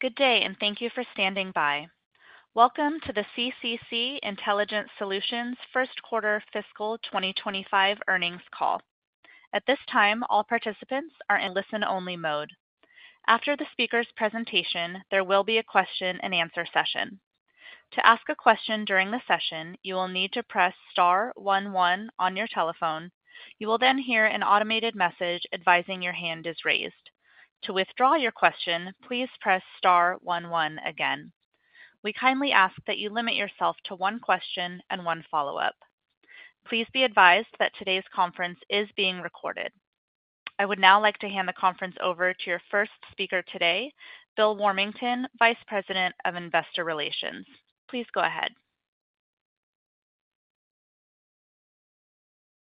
Good day, and thank you for standing by. Welcome to the CCC Intelligent Solutions First Quarter Fiscal 2025 earnings call. At this time, all participants are in listen-only mode. After the speaker's presentation, there will be a question-and-answer session. To ask a question during the session, you will need to press star one, one on your telephone. You will then hear an automated message advising your hand is raised. To withdraw your question, please press star one, one again. We kindly ask that you limit yourself to one question and one follow-up. Please be advised that today's conference is being recorded. I would now like to hand the conference over to your first speaker today, Bill Warmington, Vice President of Investor Relations. Please go ahead.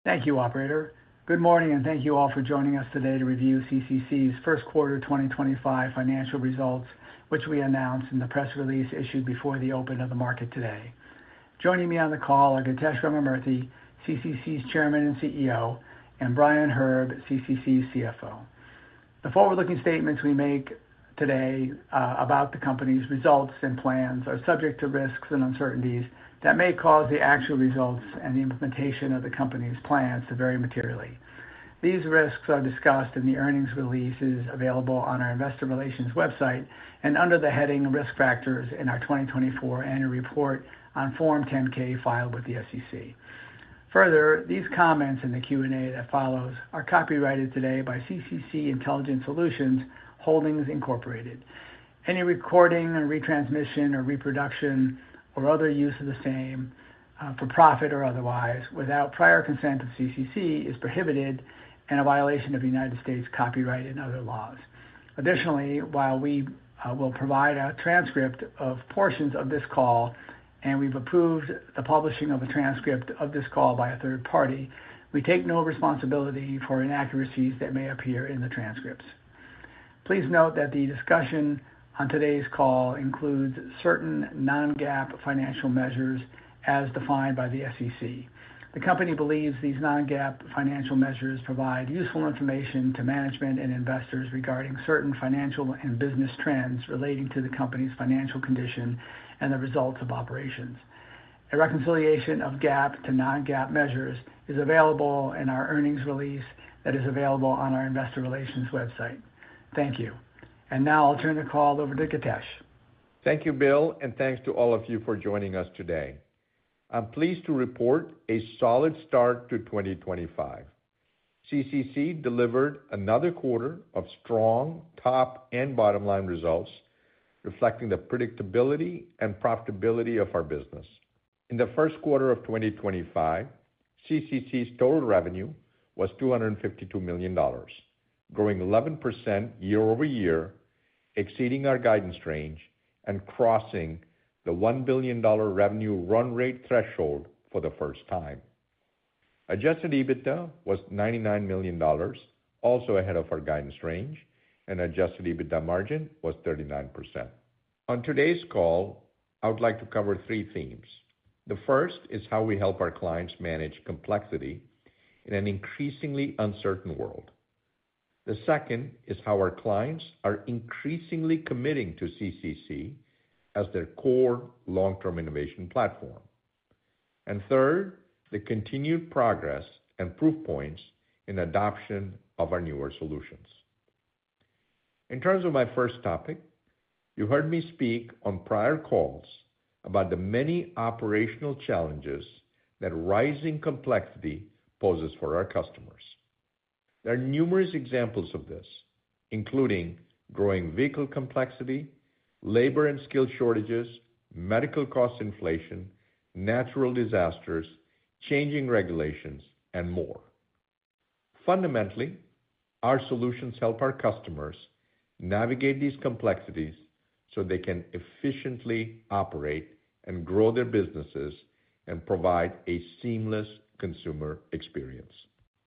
Thank you, Operator. Good morning, and thank you all for joining us today to review CCC's first quarter 2025 financial results, which we announced in the press release issued before the open of the market today. Joining me on the call are Githesh Ramamurthy, CCC's Chairman and CEO, and Brian Herb, CCC CFO. The forward-looking statements we make today about the company's results and plans are subject to risks and uncertainties that may cause the actual results and the implementation of the company's plans to vary materially. These risks are discussed in the earnings releases available on our Investor Relations website and under the heading "Risk Factors" in our 2024 Annual Report on Form 10-K filed with the SEC. Further, these comments and the Q&A that follows are copyrighted today by CCC Intelligent Solutions Holdings IncorporatedAny recording, retransmission, or reproduction, or other use of the same for profit or otherwise, without prior consent of CCC, is prohibited and a violation of the United States Copyright and other laws. Additionally, while we will provide a transcript of portions of this call, and we've approved the publishing of a transcript of this call by a third party, we take no responsibility for inaccuracies that may appear in the transcripts. Please note that the discussion on today's call includes certain non-GAAP financial measures as defined by the SEC. The company believes these non-GAAP financial measures provide useful information to management and investors regarding certain financial and business trends relating to the company's financial condition and the results of operations. A reconciliation of GAAP to non-GAAP measures is available in our earnings release that is available on our Investor Relations website. Thank you. Now I'll turn the call over to Githesh. Thank you, Bill, and thanks to all of you for joining us today. I'm pleased to report a solid start to 2025. CCC delivered another quarter of strong top and bottom-line results reflecting the predictability and profitability of our business. In the first quarter of 2025, CCC's total revenue was $252 million, growing 11% year over year, exceeding our guidance range and crossing the $1 billion revenue run rate threshold for the first time. Adjusted EBITDA was $99 million, also ahead of our guidance range, and adjusted EBITDA margin was 39%. On today's call, I would like to cover three things. The first is how we help our clients manage complexity in an increasingly uncertain world. The second is how our clients are increasingly committing to CCC as their core long-term innovation platform. Third, the continued progress and proof points in adoption of our newer solutions.In terms of my first topic, you heard me speak on prior calls about the many operational challenges that rising complexity poses for our customers. There are numerous examples of this, including growing vehicle complexity, labor and skill shortages, medical cost inflation, natural disasters, changing regulations, and more. Fundamentally, our solutions help our customers navigate these complexities so they can efficiently operate and grow their businesses and provide a seamless consumer experience.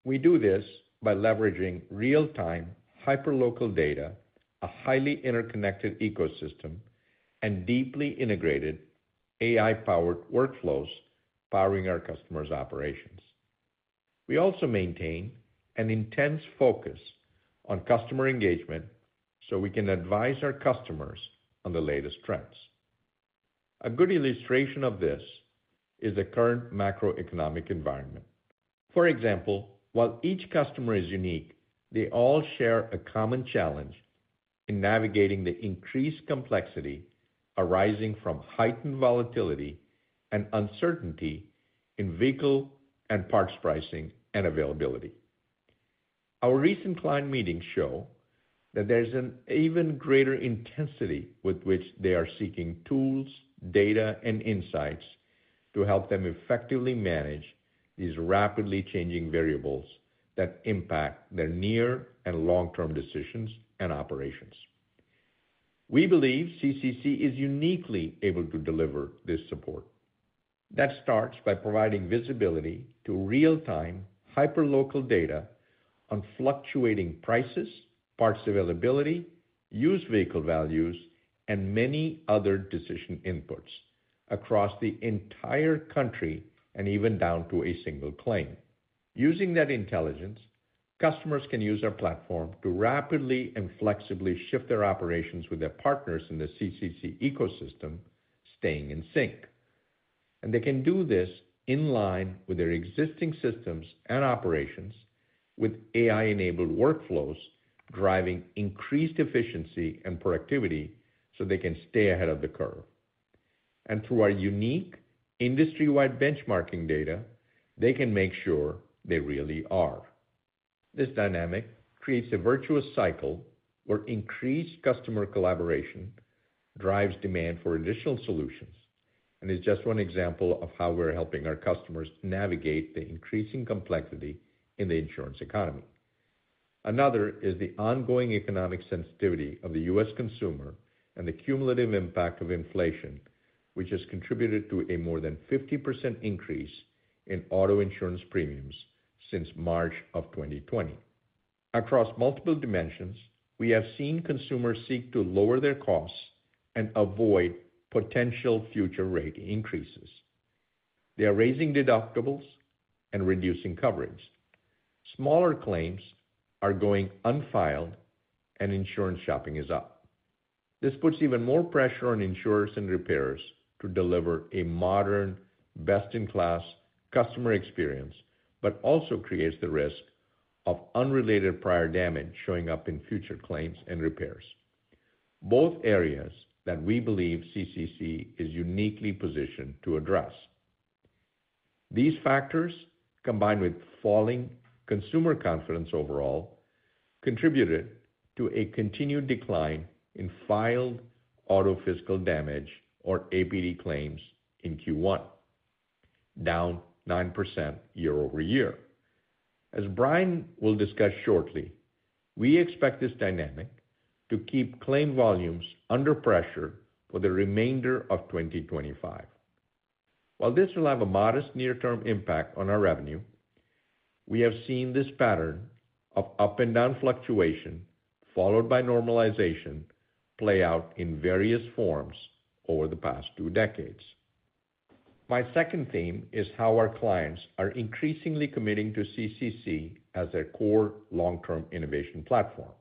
We do this by leveraging real-time hyperlocal data, a highly interconnected ecosystem, and deeply integrated AI-powered workflows powering our customers' operations. We also maintain an intense focus on customer engagement so we can advise our customers on the latest trends. A good illustration of this is the current macroeconomic environment. For example, while each customer is unique, they all share a common challenge in navigating the increased complexity arising from heightened volatility and uncertainty in vehicle and parts pricing and availability. Our recent client meetings show that there's an even greater intensity with which they are seeking tools, data, and insights to help them effectively manage these rapidly changing variables that impact their near and long-term decisions and operations. We believe CCC is uniquely able to deliver this support. That starts by providing visibility to real-time hyperlocal data on fluctuating prices, parts availability, used vehicle values, and many other decision inputs across the entire country and even down to a single claim. Using that intelligence, customers can use our platform to rapidly and flexibly shift their operations with their partners in the CCC ecosystem, staying in sync. They can do this in line with their existing systems and operations, with AI-enabled workflows driving increased efficiency and productivity so they can stay ahead of the curve. Through our unique industry-wide benchmarking data, they can make sure they really are. This dynamic creates a virtuous cycle where increased customer collaboration drives demand for additional solutions and is just one example of how we're helping our customers navigate the increasing complexity in the insurance economy. Another is the ongoing economic sensitivity of the U.S. consumer and the cumulative impact of inflation, which has contributed to a more than 50% increase in auto insurance premiums since March of 2020. Across multiple dimensions, we have seen consumers seek to lower their costs and avoid potential future rate increases. They are raising deductibles and reducing coverage. Smaller claims are going unfiled, and insurance shopping is up. This puts even more pressure on insurers and repairers to deliver a modern, best-in-class customer experience, but also creates the risk of unrelated prior damage showing up in future claims and repairs. Both areas that we believe CCC is uniquely positioned to address. These factors, combined with falling consumer confidence overall, contributed to a continued decline in filed Auto Physical Damage, or APD claims, in Q1, down 9% year over year. As Brian will discuss shortly, we expect this dynamic to keep claim volumes under pressure for the remainder of 2025. While this will have a modest near-term impact on our revenue, we have seen this pattern of up-and-down fluctuation followed by normalization play out in various forms over the past two decades. My second theme is how our clients are increasingly committing to CCC as their core long-term innovation platform.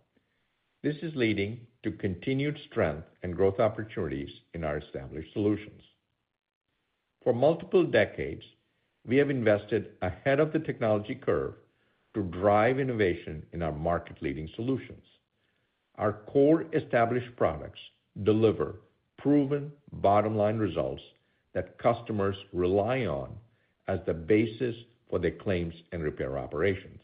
This is leading to continued strength and growth opportunities in our established solutions. For multiple decades, we have invested ahead of the technology curve to drive innovation in our market-leading solutions. Our core established products deliver proven bottom-line results that customers rely on as the basis for their claims and repair operations.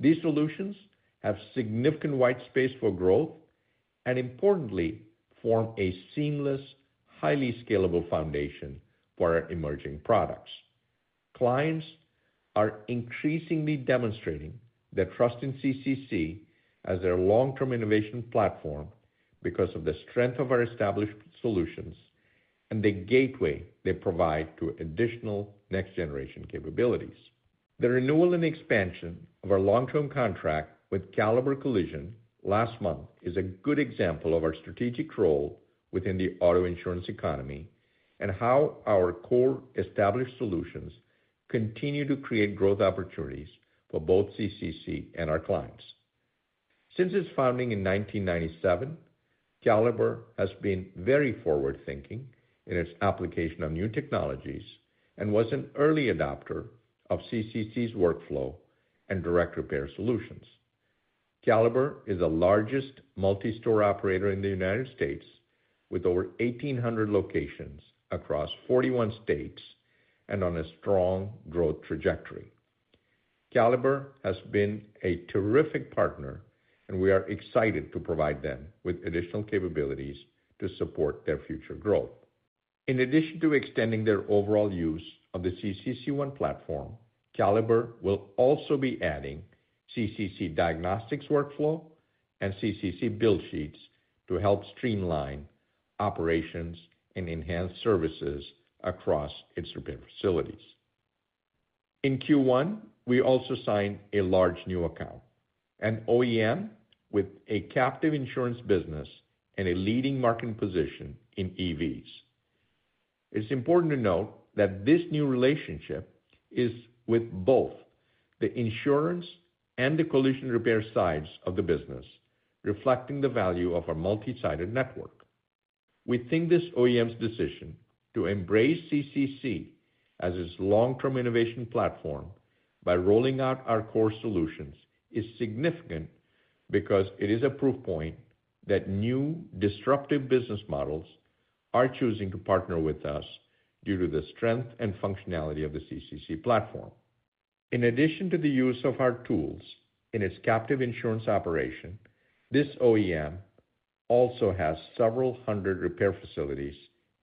These solutions have significant white space for growth and, importantly, form a seamless, highly scalable foundation for our emerging products. Clients are increasingly demonstrating their trust in CCC as their long-term innovation platform because of the strength of our established solutions and the gateway they provide to additional next-generation capabilities. The renewal and expansion of our long-term contract with Caliber Collision last month is a good example of our strategic role within the auto insurance economy and how our core established solutions continue to create growth opportunities for both CCC and our clients. Since its founding in 1997, Caliber has been very forward-thinking in its application of new technologies and was an early adopter of CCC's workflow and direct repair solutions. Caliber is the largest multi-store operator in the United States, with over 1,800 locations across 41 states and on a strong growth trajectory. Caliber has been a terrific partner, and we are excited to provide them with additional capabilities to support their future growth. In addition to extending their overall use of the CCC One platform, Caliber will also be adding CCC Diagnostics Workflow and CCC Bill Sheets to help streamline operations and enhance services across its repair facilities. In Q1, we also signed a large new account, an OEM with a captive insurance business and a leading marketing position in EVs.It's important to note that this new relationship is with both the insurance and the collision repair sides of the business, reflecting the value of our multi-sided network. We think this OEM's decision to embrace CCC as its long-term innovation platform by rolling out our core solutions is significant because it is a proof point that new disruptive business models are choosing to partner with us due to the strength and functionality of the CCC platform. In addition to the use of our tools in its captive insurance operation, this OEM also has several hundred repair facilities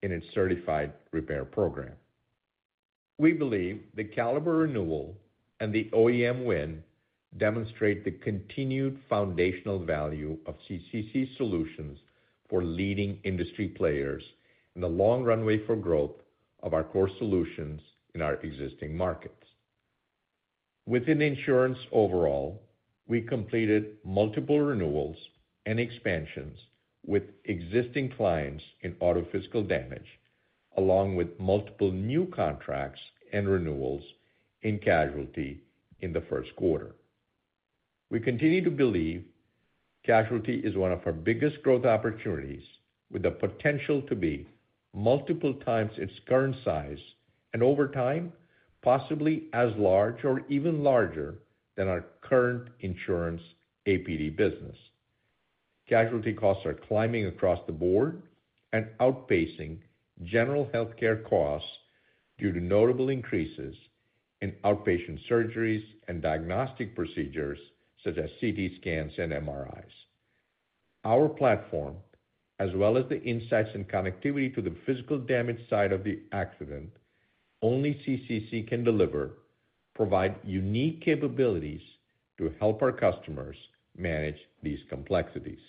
in its certified repair program. We believe the Caliber renewal and the OEM win demonstrate the continued foundational value of CCC solutions for leading industry players and the long runway for growth of our core solutions in our existing markets. Within insurance overall, we completed multiple renewals and expansions with existing clients in auto physical damage, along with multiple new contracts and renewals in casualty in the first quarter. We continue to believe casualty is one of our biggest growth opportunities, with the potential to be multiple times its current size and over time, possibly as large or even larger than our current insurance APD business. Casualty costs are climbing across the board and outpacing general healthcare costs due to notable increases in outpatient surgeries and diagnostic procedures such as CT scans and MRIs. Our platform, as well as the insights and connectivity to the physical damage side of the accident only CCC can deliver, provide unique capabilities to help our customers manage these complexities.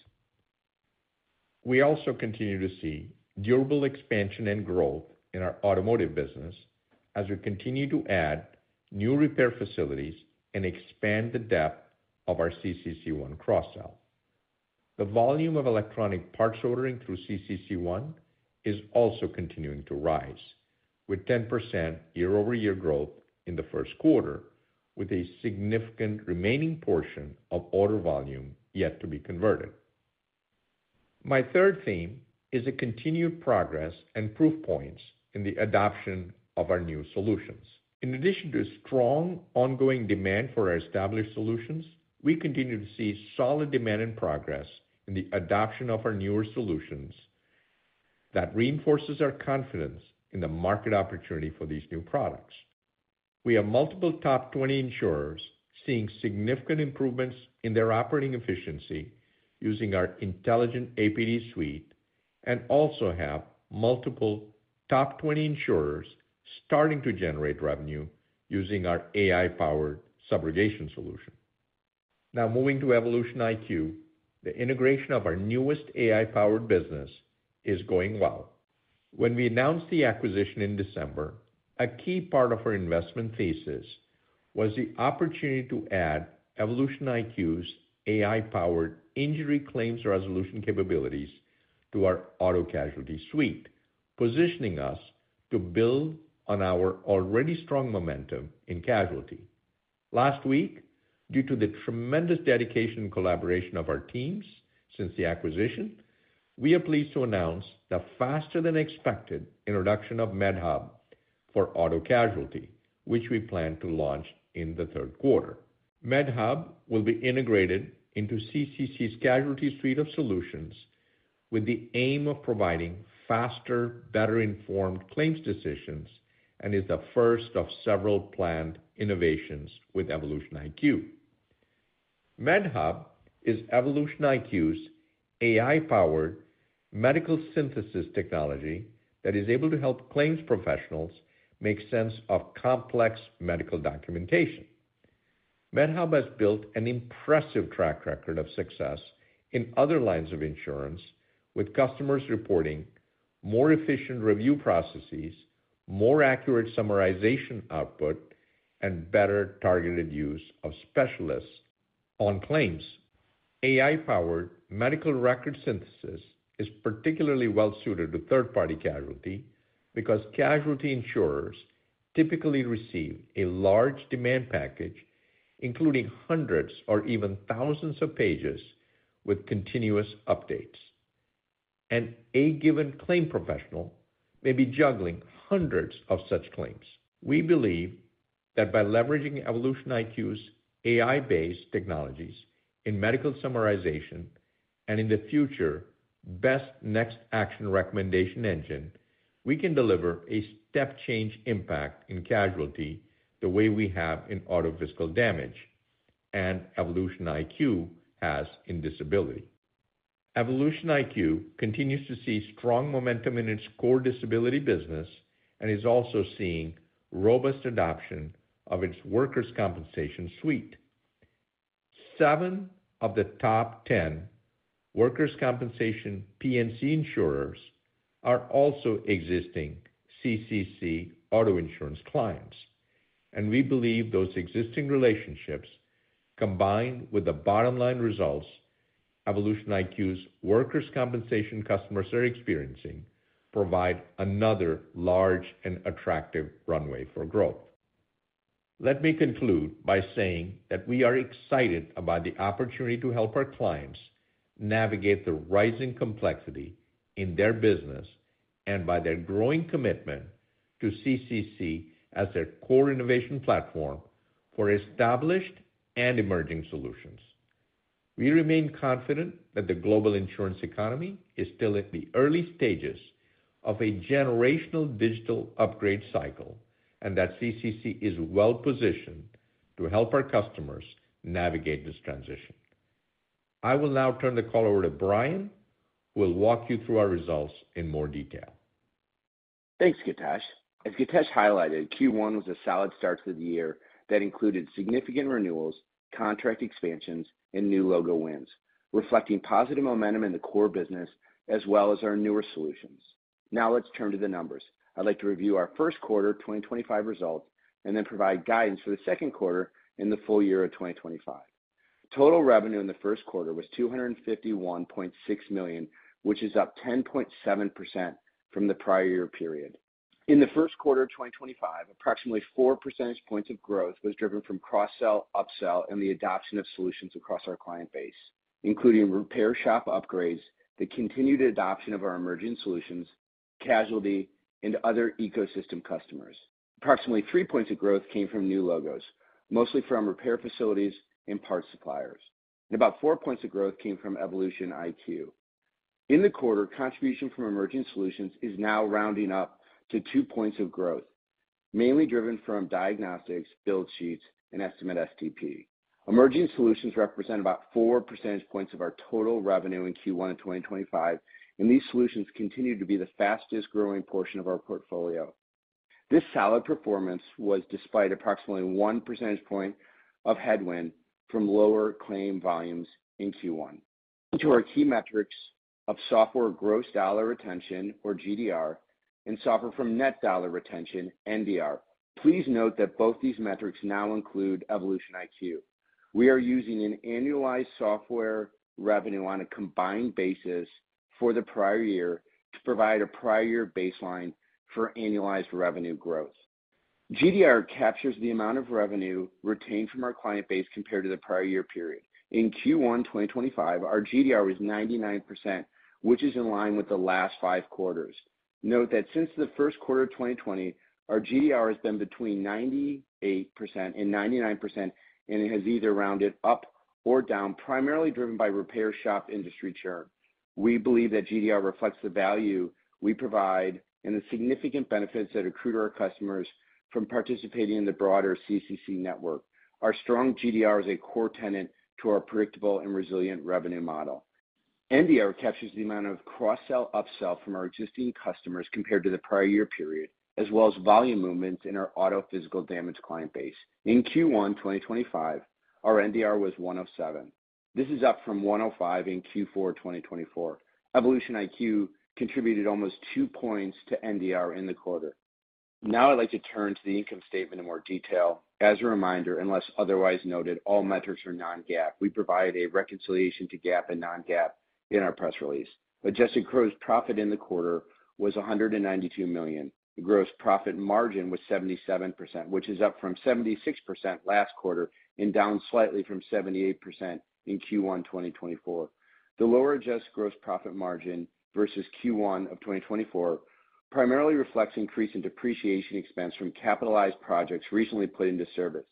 We also continue to see durable expansion and growth in our automotive business as we continue to add new repair facilities and expand the depth of our CCC One cross-sell. The volume of electronic parts ordering through CCC One is also continuing to rise, with 10% year-over-year growth in the first quarter, with a significant remaining portion of order volume yet to be converted. My third theme is a continued progress and proof points in the adoption of our new solutions. In addition to strong ongoing demand for our established solutions, we continue to see solid demand and progress in the adoption of our newer solutions that reinforces our confidence in the market opportunity for these new products. We have multiple top 20 insurers seeing significant improvements in their operating efficiency using our Intelligent APD Suite and also have multiple top 20 insurers starting to generate revenue using our AI-powered Subrogation Solution. Now, moving to Evolution IQ, the integration of our newest AI-powered business is going well. When we announced the acquisition in December, a key part of our investment thesis was the opportunity to add Evolution IQ's AI-powered injury claims resolution capabilities to our Auto Casualty Suite, positioning us to build on our already strong momentum in casualty. Last week, due to the tremendous dedication and collaboration of our teams since the acquisition, we are pleased to announce the faster-than-expected introduction of MedHub for auto casualty, which we plan to launch in the third quarter. MedHub will be integrated into CCC's casualty suite of solutions with the aim of providing faster, better-informed claims decisions and is the first of several planned innovations with Evolution IQ. MedHub is Evolution IQ's AI-powered medical synthesis technology that is able to help claims professionals make sense of complex medical documentation. MedHub has built an impressive track record of success in other lines of insurance, with customers reporting more efficient review processes, more accurate summarization output, and better targeted use of specialists on claims. AI-powered medical record synthesis is particularly well-suited to third-party casualty because casualty insurers typically receive a large demand package, including hundreds or even thousands of pages with continuous updates. A given claim professional may be juggling hundreds of such claims. We believe that by leveraging Evolution IQ's AI-based technologies in medical summarization and, in the future, best next action recommendation engine, we can deliver a step-change impact in casualty the way we have in Auto Physical Damage and Evolution IQ has in disability. Evolution IQ continues to see strong momentum in its core disability business and is also seeing robust adoption of its workers' compensation suite. Seven of the top 10 workers' compensation P&C insurers are also existing CCC Auto insurance clients. We believe those existing relationships, combined with the bottom-line results Evolution IQ's workers' compensation customers are experiencing, provide another large and attractive runway for growth. Let me conclude by saying that we are excited about the opportunity to help our clients navigate the rising complexity in their business and by their growing commitment to CCC as their core innovation platform for established and emerging solutions. We remain confident that the global insurance economy is still at the early stages of a generational digital upgrade cycle and that CCC is well-positioned to help our customers navigate this transition. I will now turn the call over to Brian, who will walk you through our results in more detail. Thanks, Githesh. As Githesh highlighted, Q1 was a solid start to the year that included significant renewals, contract expansions, and new logo wins, reflecting positive momentum in the core business as well as our newer solutions. Now, let's turn to the numbers. I'd like to review our first quarter 2025 results and then provide guidance for the second quarter and the full year of 2025. Total revenue in the first quarter was $251.6 million, which is up 10.7% from the prior year period. In the first quarter of 2025, approximately 4 percentage points of growth was driven from cross-sell, upsell, and the adoption of solutions across our client base, including repair shop upgrades, the continued adoption of our emerging solutions, casualty, and other ecosystem customers. Approximately 3 points of growth came from new logos, mostly from repair facilities and parts suppliers. About 4 points of growth came from Evolution IQ. In the quarter, contribution from emerging solutions is now rounding up to 2 points of growth, mainly driven from diagnostics, CCC Bill Sheets, and Estimate STP. Emerging solutions represent about 4 percentage points of our total revenue in Q1 of 2025, and these solutions continue to be the fastest-growing portion of our portfolio. This solid performance was despite approximately 1 percentage point of headwind from lower claim volumes in Q1.To our key metrics of software Gross Dollar Retention, or GDR, and software from Net Dollar Retention, NDR. Please note that both these metrics now include Evolution IQ. We are using an annualized software revenue on a combined basis for the prior year to provide a prior year baseline for annualized revenue growth. GDR captures the amount of revenue retained from our client base compared to the prior year period. In Q1 2025, our GDR was 99%, which is in line with the last five quarters. Note that since the first quarter of 2020, our GDR has been between 98% and 99%, and it has either rounded up or down, primarily driven by repair shop industry churn. We believe that GDR reflects the value we provide and the significant benefits that accrue to our customers from participating in the broader CCC network. Our strong GDR is a core tenet to our predictable and resilient revenue model. NDR captures the amount of cross-sell, upsell from our existing customers compared to the prior year period, as well as volume movements in our auto physical damage client base. In Q1 2025, our NDR was 107. This is up from 105 in Q4 2024. Evolution IQ contributed almost 2 points to NDR in the quarter. Now, I'd like to turn to the income statement in more detail. As a reminder, unless otherwise noted, all metrics are non-GAAP. We provide a reconciliation to GAAP and non-GAAP in our press release. Adjusted gross profit in the quarter was $192 million. The gross profit margin was 77%, which is up from 76% last quarter and down slightly from 78% in Q1 2024.The lower adjusted gross profit margin versus Q1 of 2024 primarily reflects increase in depreciation expense from capitalized projects recently put into service.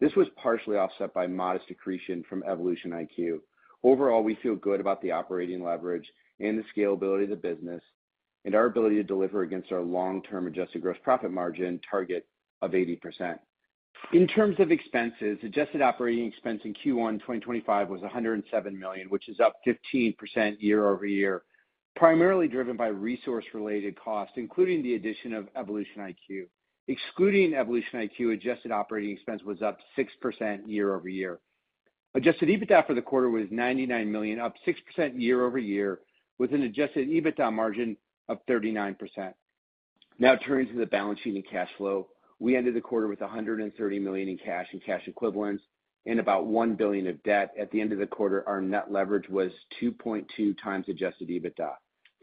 This was partially offset by modest accretion from Evolution IQ. Overall, we feel good about the operating leverage and the scalability of the business and our ability to deliver against our long-term adjusted gross profit margin target of 80%. In terms of expenses, adjusted operating expense in Q1 2025 was $107 million, which is up 15% year-over-year, primarily driven by resource-related costs, including the addition of Evolution IQ. Excluding Evolution IQ, adjusted operating expense was up 6% year-over-year. Adjusted EBITDA for the quarter was $99 million, up 6% year-over-year, with an adjusted EBITDA margin of 39%. Now, turning to the balance sheet and cash flow, we ended the quarter with $130 million in cash and cash equivalents and about $1 billion of debt. At the end of the quarter, our net leverage was 2.2 times adjusted EBITDA.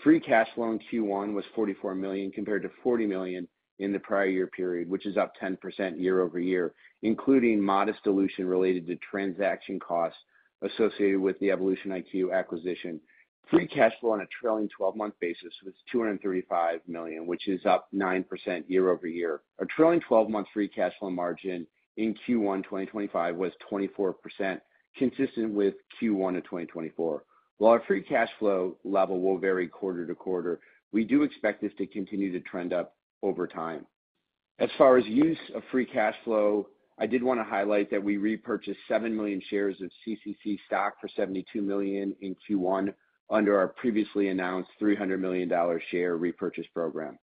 Free cash flow in Q1 was $44 million compared to $40 million in the prior year period, which is up 10% year-over-year, including modest dilution related to transaction costs associated with the Evolution IQ acquisition. Free cash flow on a trailing 12-month basis was $235 million, which is up 9% year-over-year. Our trailing 12-month free cash flow margin in Q1 2025 was 24%, consistent with Q1 of 2024. While our free cash flow level will vary quarter to quarter, we do expect this to continue to trend up over time. As far as use of free cash flow, I did want to highlight that we repurchased 7 million shares of CCC stock for $72 million in Q1 under our previously announced $300 million share repurchase program.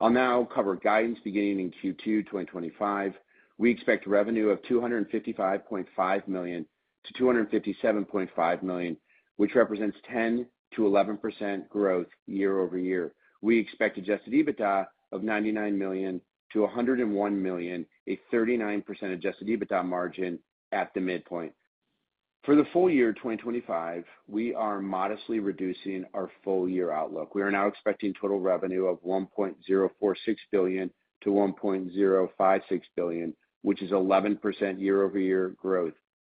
I'll now cover guidance beginning in Q2 2025. We expect revenue of $255.5 million-$257.5 million, which represents 10%-11% growth year-over-year. We expect adjusted EBITDA of $99 million-$101 million, a 39% adjusted EBITDA margin at the midpoint. For the full year 2025, we are modestly reducing our full-year outlook. We are now expecting total revenue of $1.046 billion-$1.056 billion, which is 11% year-over-year growth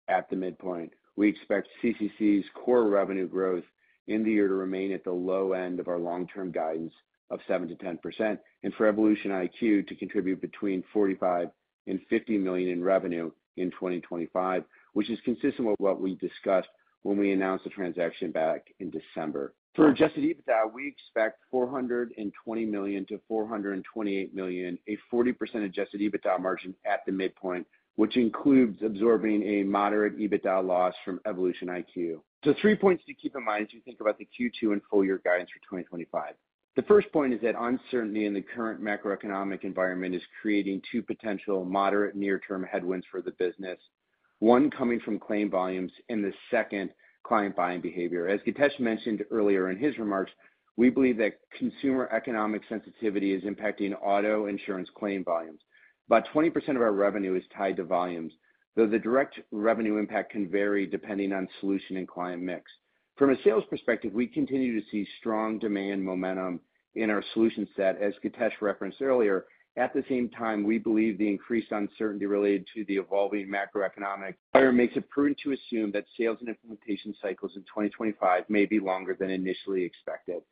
at the midpoint. We expect CCC's core revenue growth in the year to remain at the low end of our long-term guidance of 7%-10%, and for Evolution IQ to contribute between $45 million and $50 million in revenue in 2025, which is consistent with what we discussed when we announced the transaction back in December. For adjusted EBITDA, we expect $420 million-$428 million, a 40% adjusted EBITDA margin at the midpoint, which includes absorbing a moderate EBITDA loss from Evolution IQ.Three points to keep in mind as you think about the Q2 and full-year guidance for 2025. The first point is that uncertainty in the current macroeconomic environment is creating two potential moderate near-term headwinds for the business, one coming from claim volumes and the second client buying behavior. As Githesh mentioned earlier in his remarks, we believe that consumer economic sensitivity is impacting auto insurance claim volumes. About 20% of our revenue is tied to volumes, though the direct revenue impact can vary depending on solution and client mix. From a sales perspective, we continue to see strong demand momentum in our solution set, as Githesh referenced earlier. At the same time, we believe the increased uncertainty related to the evolving macroeconomic environment makes it prudent to assume that sales and implementation cycles in 2025 may be longer than initially expected.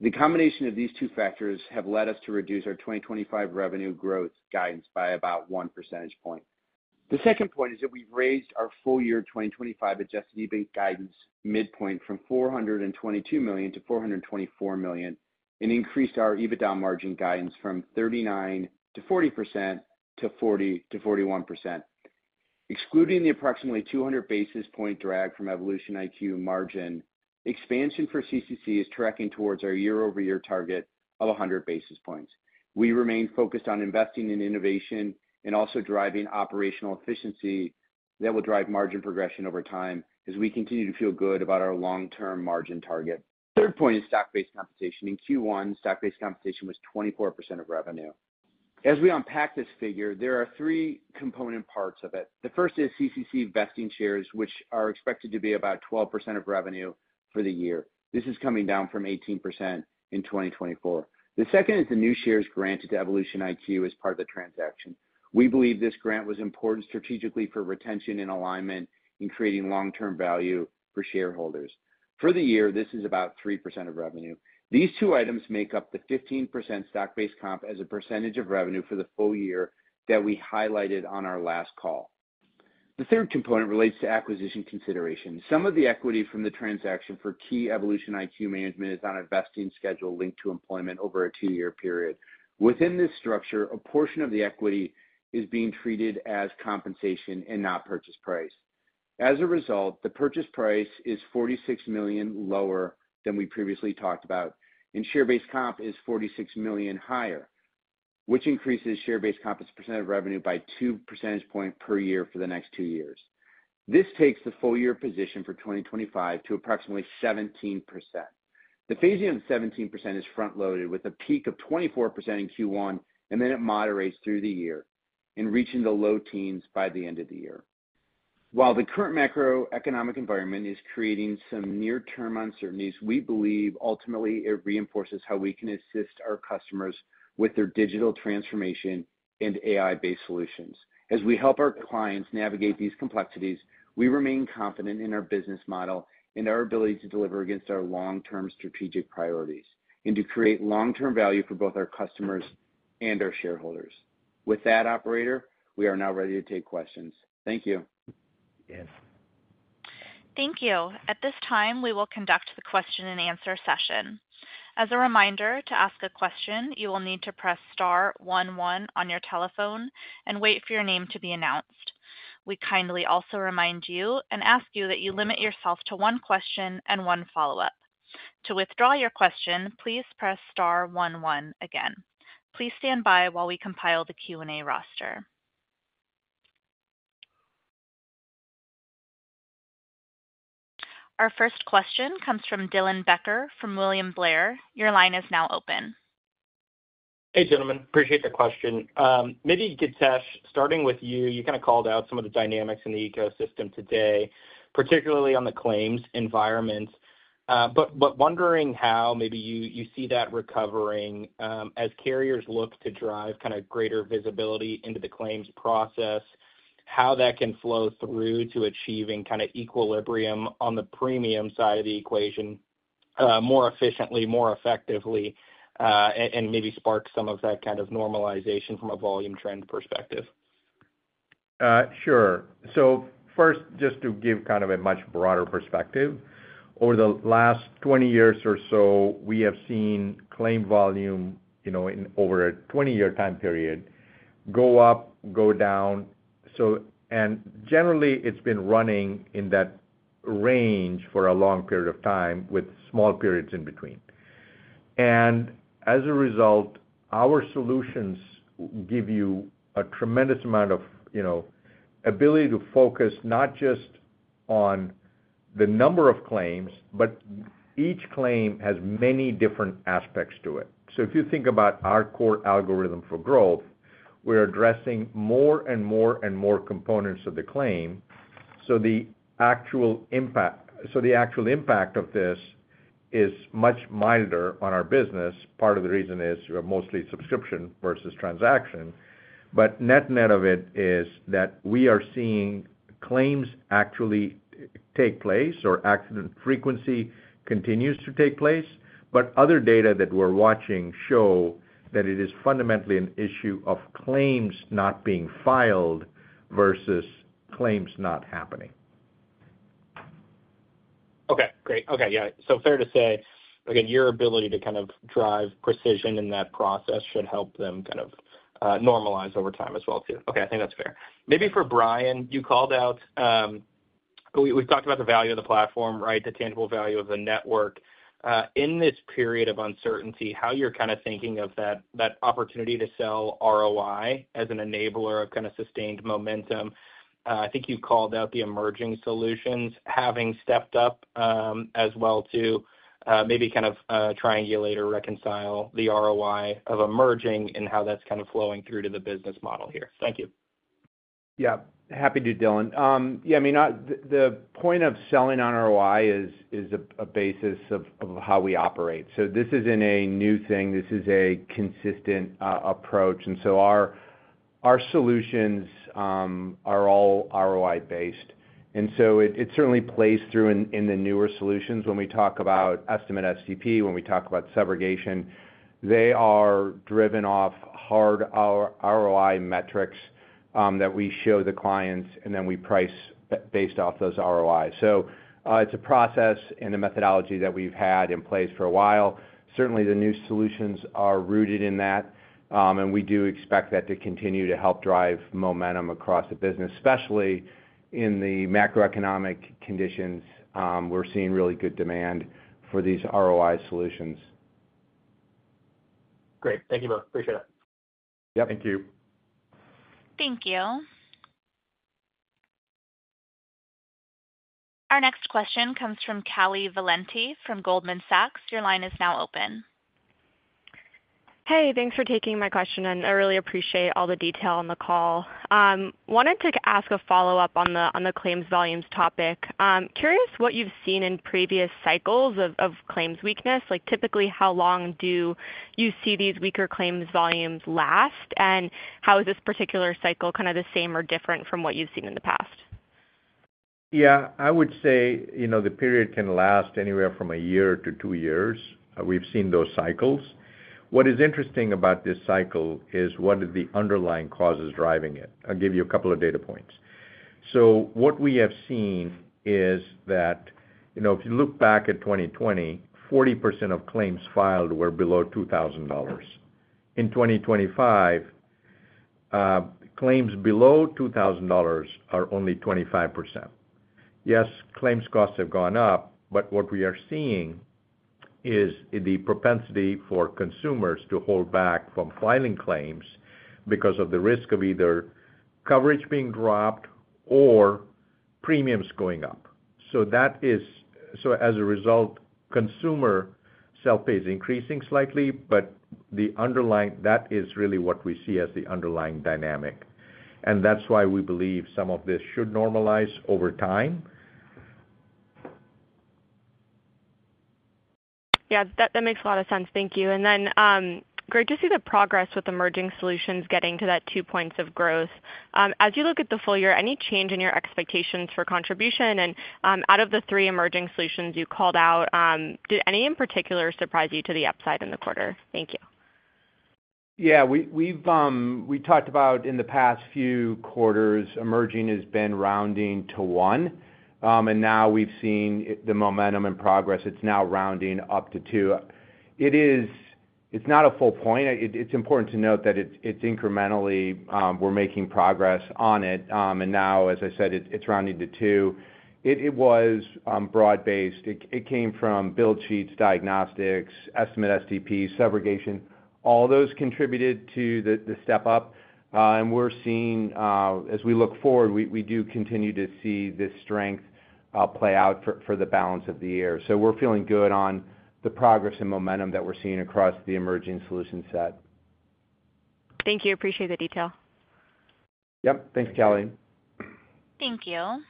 The combination of these two factors has led us to reduce our 2025 revenue growth guidance by about 1 percentage point. The second point is that we've raised our full-year 2025 adjusted EBITDA guidance midpoint from $422 million to $424 million and increased our EBITDA margin guidance from 39% to 40%-41%. Excluding the approximately 200 basis point drag from Evolution IQ margin, expansion for CCC is tracking towards our year-over-year target of 100 basis points. We remain focused on investing in innovation and also driving operational efficiency that will drive margin progression over time as we continue to feel good about our long-term margin target. The third point is stock-based compensation. In Q1, stock-based compensation was 24% of revenue. As we unpack this figure, there are three component parts of it. The first is CCC vesting shares, which are expected to be about 12% of revenue for the year. This is coming down from 18% in 2024. The second is the new shares granted to Evolution IQ as part of the transaction. We believe this grant was important strategically for retention and alignment in creating long-term value for shareholders. For the year, this is about 3% of revenue. These two items make up the 15% stock-based comp as a percentage of revenue for the full year that we highlighted on our last call. The third component relates to acquisition considerations. Some of the equity from the transaction for key Evolution IQ management is on a vesting schedule linked to employment over a two-year period. Within this structure, a portion of the equity is being treated as compensation and not purchase price. As a result, the purchase price is $46 million lower than we previously talked about, and share-based comp is $46 million higher, which increases share-based comp as a % of revenue by 2 percentage points per year for the next two years. This takes the full-year position for 2025 to approximately 17%. The phase-in of 17% is front-loaded with a peak of 24% in Q1, and then it moderates through the year and reaching the low teens by the end of the year. While the current macroeconomic environment is creating some near-term uncertainties, we believe ultimately it reinforces how we can assist our customers with their digital transformation and AI-based solutions. As we help our clients navigate these complexities, we remain confident in our business model and our ability to deliver against our long-term strategic priorities and to create long-term value for both our customers and our shareholders. With that, Operator, we are now ready to take questions. Thank you. Yes. Thank you. At this time, we will conduct the question-and-answer session. As a reminder, to ask a question, you will need to press star one, one on your telephone and wait for your name to be announced. We kindly also remind you and ask you that you limit yourself to one question and one follow-up. To withdraw your question, please press star one, one again. Please stand by while we compile the Q&A roster. Our first question comes from Dylan Becker from William Blair. Your line is now open. Hey, gentlemen. Appreciate the question. Maybe, Githesh, starting with you, you kind of called out some of the dynamics in the ecosystem today, particularly on the claims environment. Wondering how maybe you see that recovering as carriers look to drive kind of greater visibility into the claims process, how that can flow through to achieving kind of equilibrium on the premium side of the equation more efficiently, more effectively, and maybe spark some of that kind of normalization from a volume trend perspective. Sure. First, just to give kind of a much broader perspective, over the last 20 years or so, we have seen claim volume in over a 20-year time period go up, go down. Generally, it has been running in that range for a long period of time with small periods in between. As a result, our solutions give you a tremendous amount of ability to focus not just on the number of claims, but each claim has many different aspects to it. If you think about our core algorithm for growth, we're addressing more and more and more components of the claim. The actual impact of this is much milder on our business. Part of the reason is mostly subscription versus transaction. Net-net of it is that we are seeing claims actually take place or accident frequency continues to take place. Other data that we're watching show that it is fundamentally an issue of claims not being filed versus claims not happening. Okay. Great. Okay. Yeah. Fair to say, again, your ability to kind of drive precision in that process should help them kind of normalize over time as well too. Okay. I think that's fair. Maybe for Brian, you called out, we've talked about the value of the platform, the tangible value of the network.In this period of uncertainty, how you're kind of thinking of that opportunity to sell ROI as an enabler of kind of sustained momentum. I think you called out the emerging solutions having stepped up as well to maybe kind of triangulate or reconcile the ROI of emerging and how that's kind of flowing through to the business model here. Thank you. Yeah. Happy to, Dylan. Yeah. I mean, the point of selling on ROI is a basis of how we operate. This isn't a new thing. This is a consistent approach. Our solutions are all ROI-based. It certainly plays through in the newer solutions when we talk about Estimate STP, when we talk about subrogation. They are driven off hard ROI metrics that we show the clients, and then we price based off those ROI.It is a process and a methodology that we have had in place for a while. Certainly, the new solutions are rooted in that, and we do expect that to continue to help drive momentum across the business, especially in the macroeconomic conditions. We are seeing really good demand for these ROI solutions. Great. Thank you both. Appreciate it. Yep. Thank you. Thank you. Our next question comes from Callie Valenti from Goldman Sachs. Your line is now open. Hey. Thanks for taking my question, and I really appreciate all the detail on the call. Wanted to ask a follow-up on the claims volumes topic. Curious what you have seen in previous cycles of claims weakness. Typically, how long do you see these weaker claims volumes last, and how is this particular cycle kind of the same or different from what you have seen in the past? Yeah. I would say the period can last anywhere from a year to two years. We've seen those cycles. What is interesting about this cycle is what are the underlying causes driving it. I'll give you a couple of data points. What we have seen is that if you look back at 2020, 40% of claims filed were below $2,000. In 2025, claims below $2,000 are only 25%. Yes, claims costs have gone up, but what we are seeing is the propensity for consumers to hold back from filing claims because of the risk of either coverage being dropped or premiums going up. As a result, consumer self-pay is increasing slightly, but that is really what we see as the underlying dynamic. That is why we believe some of this should normalize over time. Yeah. That makes a lot of sense. Thank you. Great to see the progress with emerging solutions getting to that two points of growth. As you look at the full year, any change in your expectations for contribution? And out of the three emerging solutions you called out, did any in particular surprise you to the upside in the quarter? Thank you. Yeah. We talked about in the past few quarters, emerging has been rounding to one, and now we've seen the momentum and progress. It's now rounding up to two. It's not a full point. It's important to note that incrementally we're making progress on it. And now, as I said, it's rounding to two. It was broad-based. It came from Bill Sheets, Diagnostics, Estimate STP, Subrogation. All those contributed to the step-up. We're seeing, as we look forward, we do continue to see this strength play out for the balance of the year. So we're feeling good on the progress and momentum that we're seeing across the emerging solution set. Thank you. Appreciate the detail. Yep. Thanks, Callie. Thank you.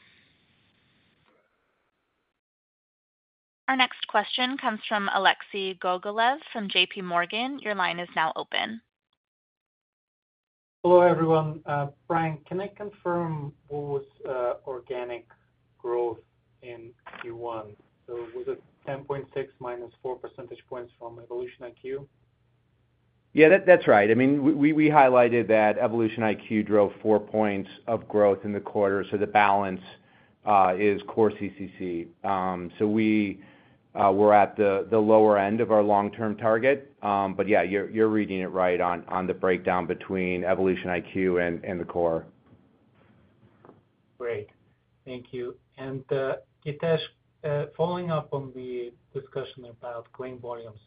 Our next question comes from Alexei Gogolev from JPMorgan. Your line is now open. Hello, everyone. Brian, can I confirm what was organic growth in Q1? So was it 10.6 minus 4 percentage points from Evolution IQ? Yeah. That's right. I mean, we highlighted that Evolution IQ drove 4 points of growth in the quarter. So the balance is core CCC. So we're at the lower end of our long-term target. But yeah, you're reading it right on the breakdown between Evolution IQ and the core. Great. Thank you. And Githesh, following up on the discussion about claim volumes,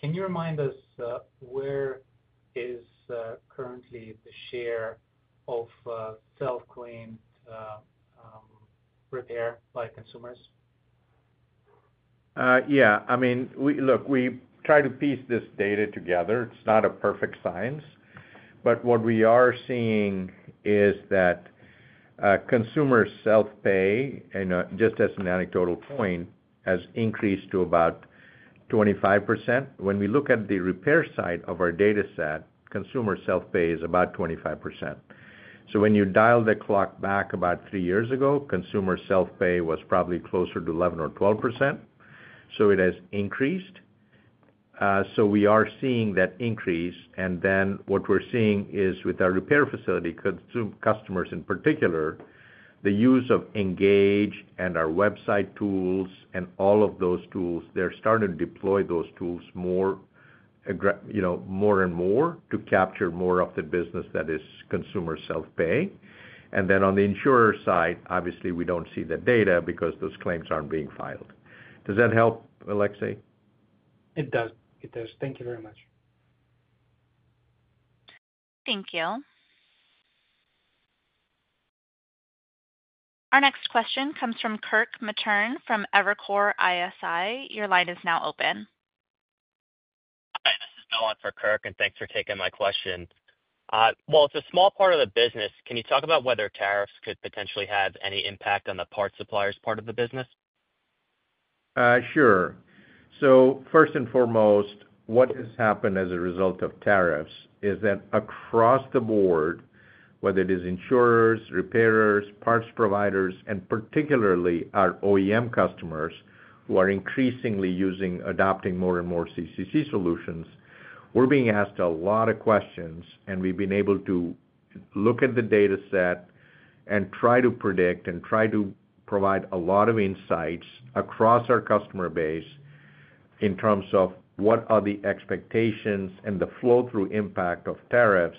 can you remind us where is currently the share of self-claimed repair by consumers? Yeah.I mean, look, we try to piece this data together. It's not a perfect science. What we are seeing is that consumer self-pay, just as an anecdotal point, has increased to about 25%. When we look at the repair side of our data set, consumer self-pay is about 25%. When you dial the clock back about three years ago, consumer self-pay was probably closer to 11% or 12%. It has increased. We are seeing that increase. What we're seeing is with our repair facility customers in particular, the use of Engage and our website tools and all of those tools, they're starting to deploy those tools more and more to capture more of the business that is consumer self-pay. On the insurer side, obviously, we don't see the data because those claims aren't being filed. Does that help, Alexei? It does.It does. Thank you very much. Thank you. Our next question comes from Kirk Matern from Evercore ISI. Your line is now open. Hi. This is Dylan for Kirk, and thanks for taking my question. While it's a small part of the business, can you talk about whether tariffs could potentially have any impact on the parts suppliers part of the business? Sure.First and foremost, what has happened as a result of tariffs is that across the board, whether it is insurers, repairers, parts providers, and particularly our OEM customers who are increasingly adopting more and more CCC solutions, we're being asked a lot of questions, and we've been able to look at the data set and try to predict and try to provide a lot of insights across our customer base in terms of what are the expectations and the flow-through impact of tariffs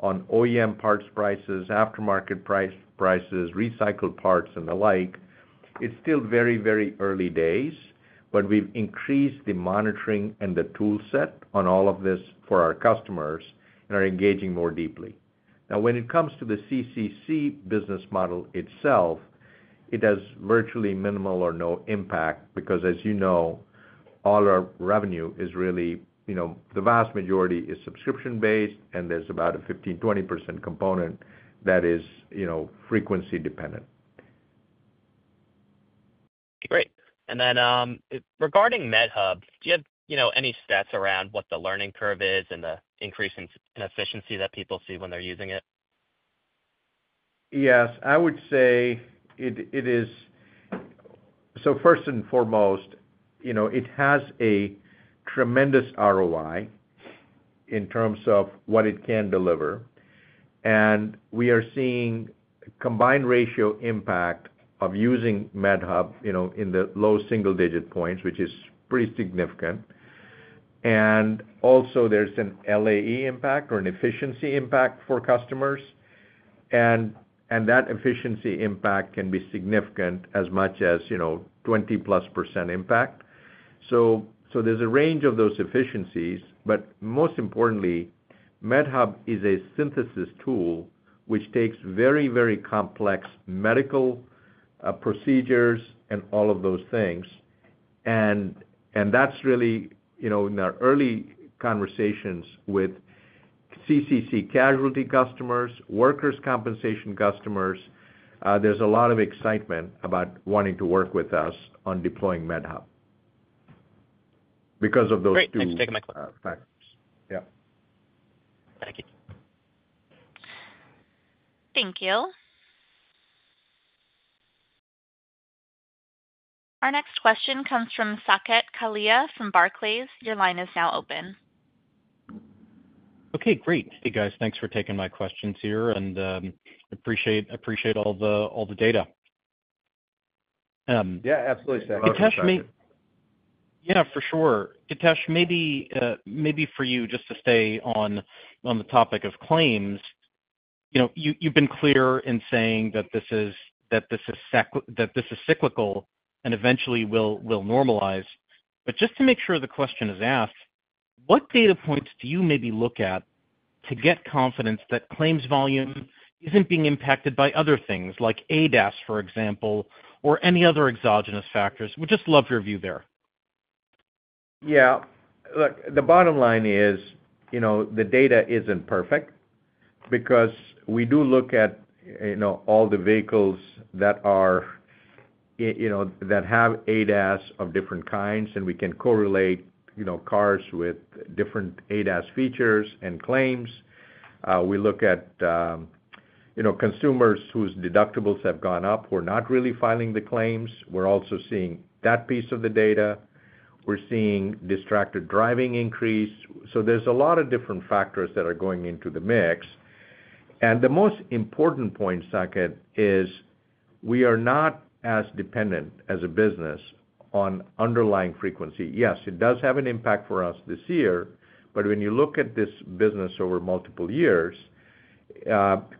on OEM parts prices, aftermarket prices, recycled parts, and the like. It's still very, very early days, but we've increased the monitoring and the toolset on all of this for our customers and are engaging more deeply. Now, when it comes to the CCC business model itself, it has virtually minimal or no impact because, as you know, all our revenue is really the vast majority is subscription-based, and there's about a 15%-20% component that is frequency-dependent. Great. And then regarding MedHub, do you have any stats around what the learning curve is and the increase in efficiency that people see when they're using it? Yes. I would say it is so first and foremost, it has a tremendous ROI in terms of what it can deliver. And we are seeing combined ratio impact of using MedHub in the low single-digit points, which is pretty significant. Also, there's an LAE impact or an efficiency impact for customers. That efficiency impact can be significant, as much as 20+% impact. There is a range of those efficiencies. But most importantly, MedHub is a synthesis tool which takes very, very complex medical procedures and all of those things. That's really in our early conversations with CCC casualty customers, workers' compensation customers. There's a lot of excitement about wanting to work with us on deploying MedHub because of those two factors. Yeah. Thank you. Thank you. Our next question comes from Saket Kalia from Barclays. Your line is now open. Okay. Great. Hey, guys. Thanks for taking my questions here. I appreciate all the data. Yeah. Absolutely, sir. Githesh, maybe yeah, for sure. Githesh, maybe for you just to stay on the topic of claims, you've been clear in saying that this is cyclical and eventually will normalize. Just to make sure the question is asked, what data points do you maybe look at to get confidence that claims volume isn't being impacted by other things like ADAS, for example, or any other exogenous factors? We'd just love your view there. Yeah. Look, the bottom line is the data isn't perfect because we do look at all the vehicles that have ADAS of different kinds, and we can correlate cars with different ADAS features and claims. We look at consumers whose deductibles have gone up who are not really filing the claims. We're also seeing that piece of the data. We're seeing distracted driving increase. There are a lot of different factors that are going into the mix. The most important point, Saket, is we are not as dependent as a business on underlying frequency. Yes, it does have an impact for us this year. When you look at this business over multiple years,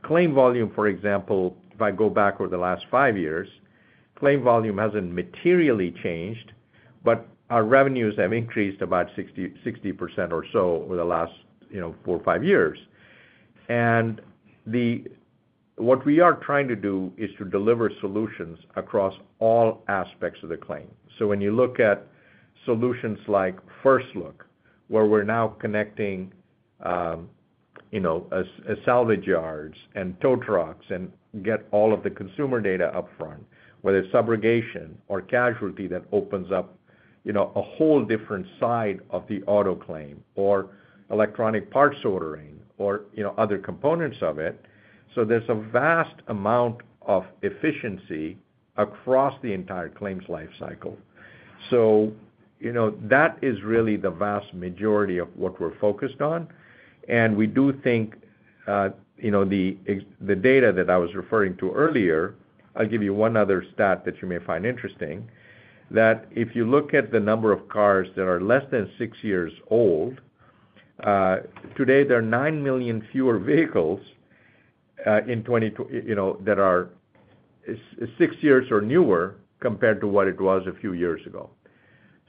claim volume, for example, if I go back over the last five years, claim volume hasn't materially changed, but our revenues have increased about 60% or so over the last four or five years. What we are trying to do is to deliver solutions across all aspects of the claim. When you look at solutions like First Look, where we're now connecting salvage yards and tow trucks and get all of the consumer data upfront, whether it's subrogation or casualty, that opens up a whole different side of the auto claim or electronic parts ordering or other components of it. There is a vast amount of efficiency across the entire claims lifecycle. That is really the vast majority of what we're focused on. We do think the data that I was referring to earlier—I will give you one other stat that you may find interesting—that if you look at the number of cars that are less than six years old, today there are 9 million fewer vehicles that are six years or newer compared to what it was a few years ago.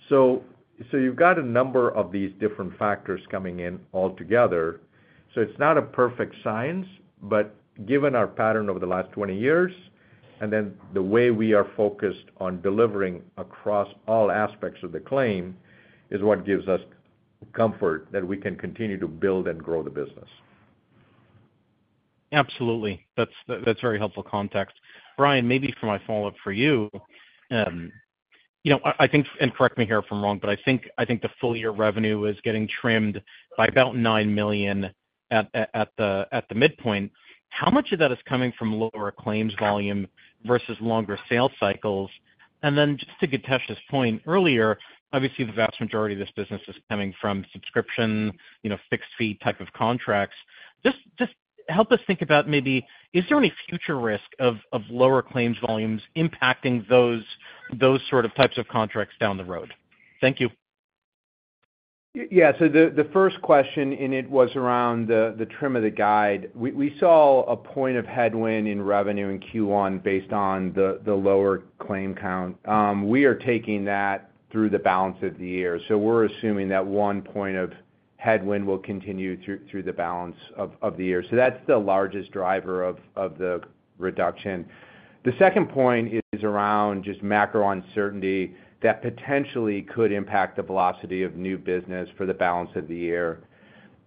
You have a number of these different factors coming in all together. It is not a perfect science, but given our pattern over the last 20 years and then the way we are focused on delivering across all aspects of the claim is what gives us comfort that we can continue to build and grow the business. Absolutely. That is very helpful context. Brian, maybe for my follow-up for you, I think—and correct me here if I'm wrong—but I think the full year revenue is getting trimmed by about $9 million at the midpoint. How much of that is coming from lower claims volume versus longer sales cycles? And then just to Githesh's point earlier, obviously, the vast majority of this business is coming from subscription, fixed-fee type of contracts. Just help us think about maybe is there any future risk of lower claims volumes impacting those sort of types of contracts down the road? Thank you. Yeah. So the first question in it was around the trim of the guide. We saw a point of headwind in revenue in Q1 based on the lower claim count. We are taking that through the balance of the year. So we're assuming that one point of headwind will continue through the balance of the year. That's the largest driver of the reduction. The second point is around just macro uncertainty that potentially could impact the velocity of new business for the balance of the year.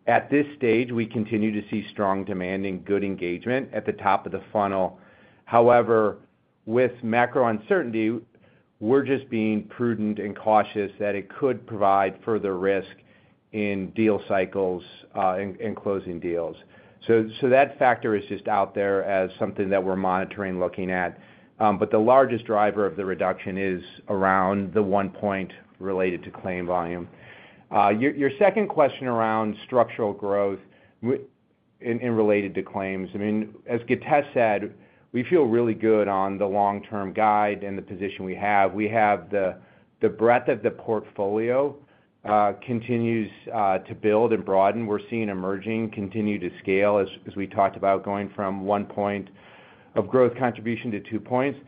At this stage, we continue to see strong demand and good engagement at the top of the funnel. However, with macro uncertainty, we're just being prudent and cautious that it could provide further risk in deal cycles and closing deals. That factor is just out there as something that we're monitoring, looking at. The largest driver of the reduction is around the one point related to claim volume. Your second question around structural growth and related to claims,I mean, as Githesh said, we feel really good on the long-term guide and the position we have. We have the breadth of the portfolio continues to build and broaden. We're seeing emerging continue to scale as we talked about going from one point of growth contribution to two points.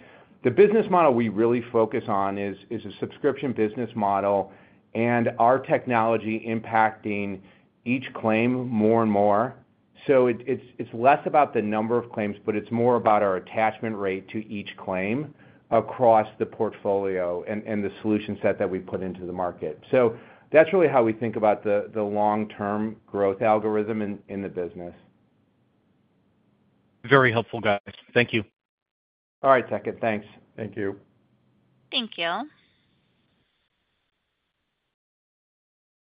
The business model we really focus on is a subscription business model and our technology impacting each claim more and more. It is less about the number of claims, but it is more about our attachment rate to each claim across the portfolio and the solution set that we put into the market. That is really how we think about the long-term growth algorithm in the business. Very helpful, guys. Thank you. All right, Saket. Thanks. Thank you. Thank you.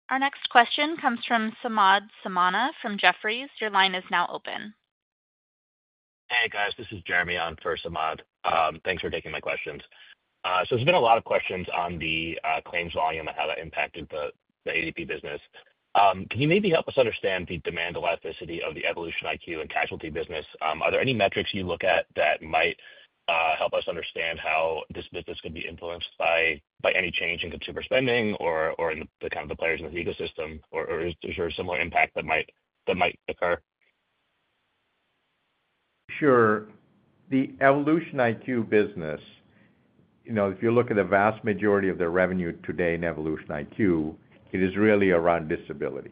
Our next question comes from Samad Samana from Jefferies. Your line is now open. Hey, guys. This is Jeremy on for Samad. Thanks for taking my questions. There has been a lot of questions on the claims volume and how that impacted the APD business. Can you maybe help us understand the demand elasticity of the Evolution IQ and casualty business? Are there any metrics you look at that might help us understand how this business could be influenced by any change in consumer spending or in the kind of the players in the ecosystem, or is there a similar impact that might occur? Sure. The Evolution IQ business, if you look at the vast majority of their revenue today in Evolution IQ, it is really around disability.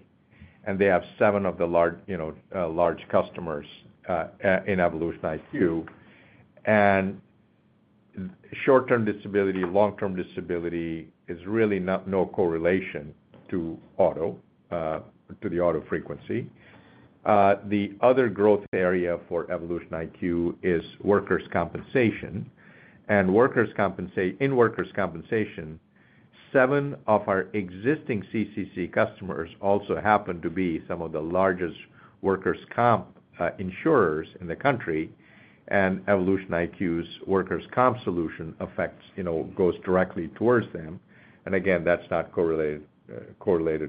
And they have seven of the large customers in Evolution IQ. Short-term disability, long-term disability is really no correlation to the auto frequency. The other growth area for Evolution IQ is workers' compensation. In workers' compensation, seven of our existing CCC customers also happen to be some of the largest workers' comp insurers in the country. Evolution IQ's workers' comp solution goes directly towards them. Again, that's not correlated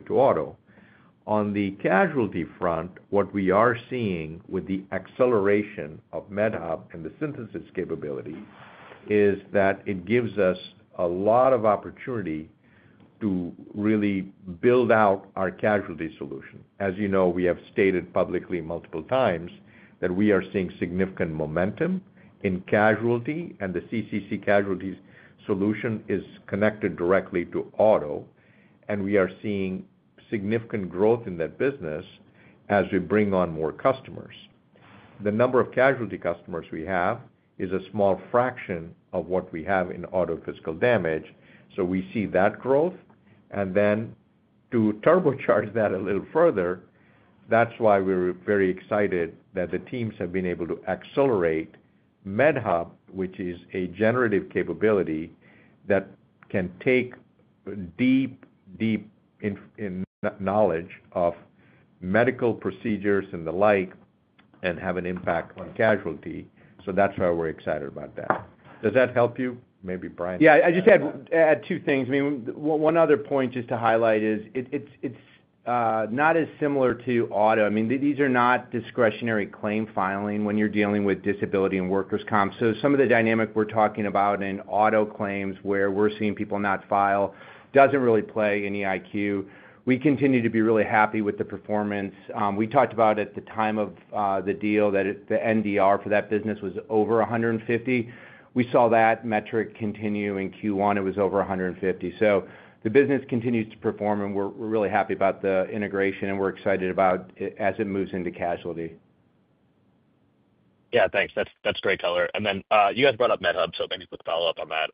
to auto. On the casualty front, what we are seeing with the acceleration of MedHub and the synthesis capability is that it gives us a lot of opportunity to really build out our casualty solution. As you know, we have stated publicly multiple times that we are seeing significant momentum in casualty, and the CCC casualty solution is connected directly to auto. We are seeing significant growth in that business as we bring on more customers. The number of casualty customers we have is a small fraction of what we have in Auto Physical Damage. We see that growth. To turbocharge that a little further, that's why we're very excited that the teams have been able to accelerate MedHub, which is a generative capability that can take deep, deep knowledge of medical procedures and the like and have an impact on casualty. That's why we're excited about that. Does that help you? Maybe, Brian? Yeah. I just had two things. I mean, one other point just to highlight is it's not as similar to auto. I mean, these are not discretionary claim filing when you're dealing with disability and workers' comp. Some of the dynamic we're talking about in auto claims where we're seeing people not file doesn't really play any IQ. We continue to be really happy with the performance. We talked about at the time of the deal that the NDR for that business was over 150.We saw that metric continue in Q1. It was over 150. The business continues to perform, and we're really happy about the integration, and we're excited about as it moves into casualty. Yeah. Thanks. That's great, Tyler. You guys brought up MedHub, so maybe quick follow-up on that.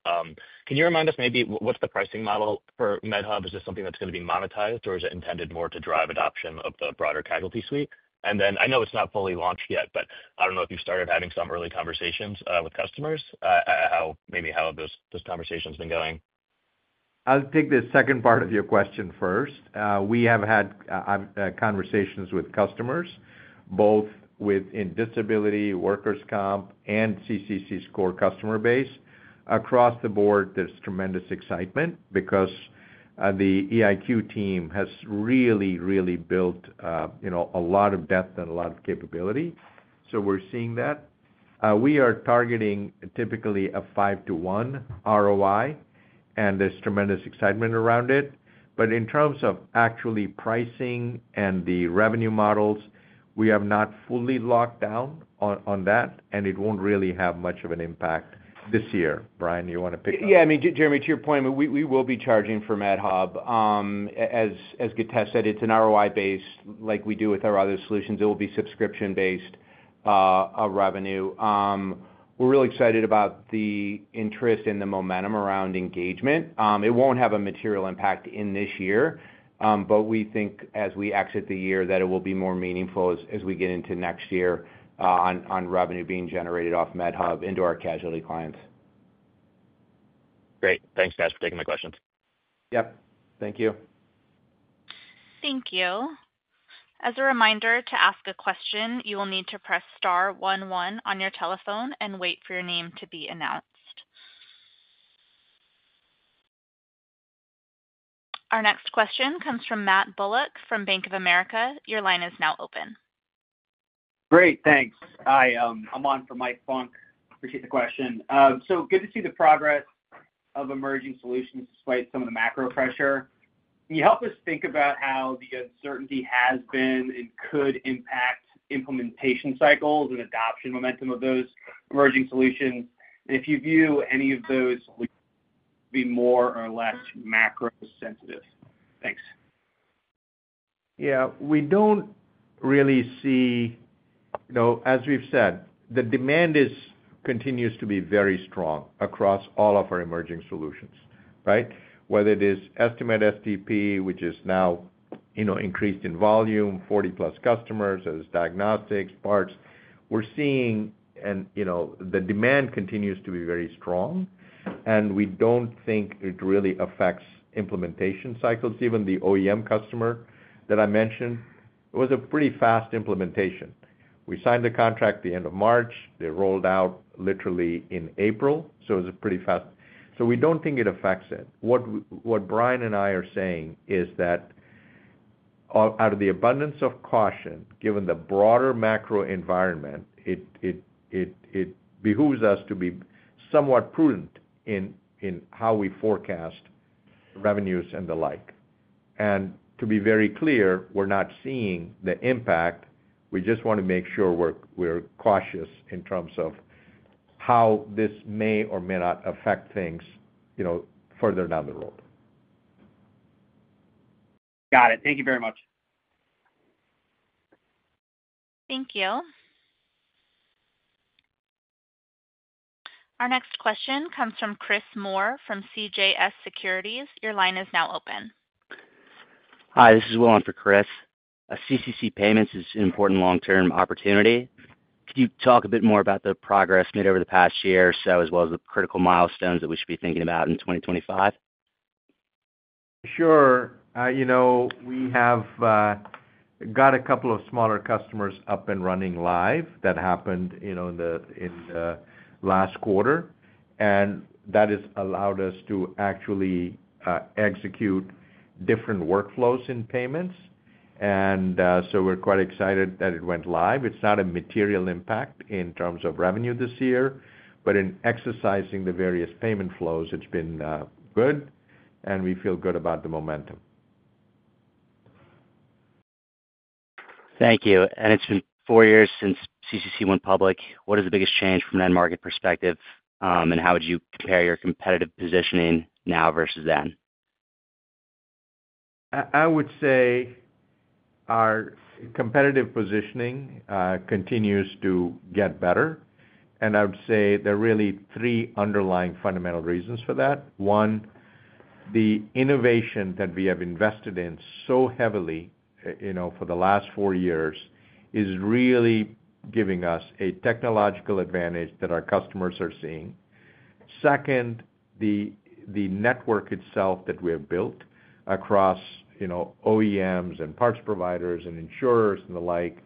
Can you remind us maybe what's the pricing model for MedHub? Is this something that's going to be monetized, or is it intended more to drive adoption of the broader casualty suite? I know it's not fully launched yet, but I don't know if you've started having some early conversations with customers, maybe how those conversations have been going. I'll take the second part of your question first. We have had conversations with customers, both within disability, workers' comp, and CCC core customer base. Across the board, there's tremendous excitement because the Evolution IQ team has really, really built a lot of depth and a lot of capability. We are seeing that. We are targeting typically a five-to-one ROI, and there's tremendous excitement around it. In terms of actually pricing and the revenue models, we have not fully locked down on that, and it will not really have much of an impact this year. Brian, you want to pick up? Yeah. I mean, Jeremy, to your point, we will be charging from MedHub. As Githesh said, it's an ROI-based like we do with our other solutions. It will be subscription-based revenue. We are really excited about the interest and the momentum around engagement.It won't have a material impact in this year, but we think as we exit the year that it will be more meaningful as we get into next year on revenue being generated off MedHub into our casualty clients. Great. Thanks, guys, for taking my questions. Yep. Thank you. Thank you. As a reminder, to ask a question, you will need to press star one, one on your telephone and wait for your name to be announced. Our next question comes from Matt Bullock from Bank of America. Your line is now open. Great. Thanks. I'm on for Mike Funk. Appreciate the question. Good to see the progress of emerging solutions despite some of the macro pressure. Can you help us think about how the uncertainty has been and could impact implementation cycles and adoption momentum of those emerging solutions? If you view any of those, would it be more or less macro-sensitive? Thanks. Yeah. We do not really see, as we have said, the demand continues to be very strong across all of our emerging solutions, right? Whether it is Estimate STP, which has now increased in volume, 40-plus customers as diagnostics, parts. We are seeing the demand continues to be very strong, and we do not think it really affects implementation cycles. Even the OEM customer that I mentioned, it was a pretty fast implementation. We signed the contract at the end of March. They rolled out literally in April. It was pretty fast. We do not think it affects it. What Brian and I are saying is that out of the abundance of caution, given the broader macro environment, it behooves us to be somewhat prudent in how we forecast revenues and the like. To be very clear, we're not seeing the impact. We just want to make sure we're cautious in terms of how this may or may not affect things further down the road. Got it. Thank you very much. Thank you. Our next question comes from Chris Moore from CJS Securities. Your line is now open. Hi. This is Will for Chris. CCC payments is an important long-term opportunity. Can you talk a bit more about the progress made over the past year or so as well as the critical milestones that we should be thinking about in 2025? Sure. We have got a couple of smaller customers up and running live that happened in the last quarter. That has allowed us to actually execute different workflows in payments. We are quite excited that it went live.It's not a material impact in terms of revenue this year, but in exercising the various payment flows, it's been good. We feel good about the momentum. Thank you. It's been four years since CCC went public. What is the biggest change from an end-market perspective, and how would you compare your competitive positioning now versus then? I would say our competitive positioning continues to get better. I would say there are really three underlying fundamental reasons for that. One, the innovation that we have invested in so heavily for the last four years is really giving us a technological advantage that our customers are seeing. Second, the network itself that we have built across OEMs and parts providers and insurers and the like,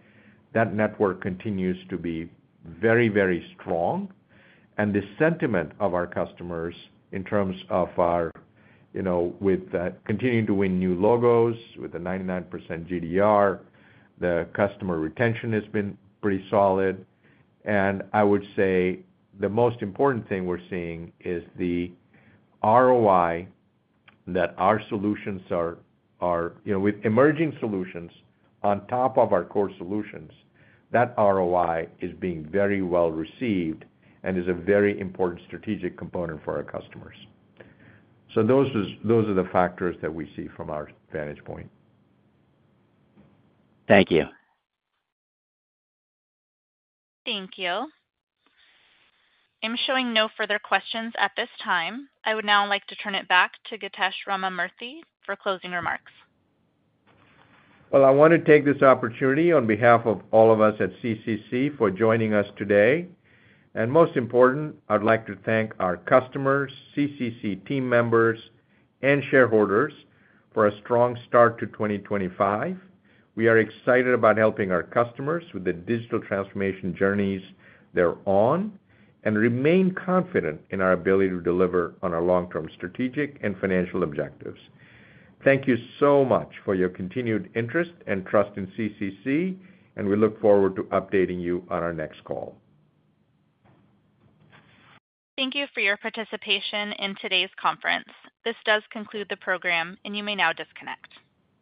that network continues to be very, very strong. The sentiment of our customers in terms of our continuing to win new logos with a 99% GDR, the customer retention has been pretty solid. I would say the most important thing we're seeing is the ROI that our solutions are with emerging solutions on top of our core solutions. That ROI is being very well received and is a very important strategic component for our customers. Those are the factors that we see from our vantage point. Thank you. Thank you. I'm showing no further questions at this time. I would now like to turn it back to Githesh Ramamurthy for closing remarks. I want to take this opportunity on behalf of all of us at CCC for joining us today. Most important, I'd like to thank our customers, CCC team members, and shareholders for a strong start to 2025.We are excited about helping our customers with the digital transformation journeys they're on and remain confident in our ability to deliver on our long-term strategic and financial objectives. Thank you so much for your continued interest and trust in CCC, and we look forward to updating you on our next call. Thank you for your participation in today's conference. This does conclude the program, and you may now disconnect.